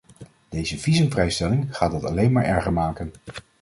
Deze visumvrijstelling gaat dat alleen maar erger maken.